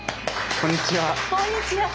こんにちは。